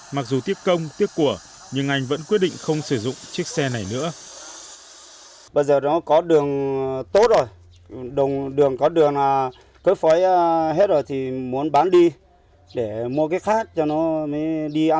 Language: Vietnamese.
mặc dù tiếc công tiếc của nhưng anh vẫn quyết định không sử dụng chiếc xe này nữa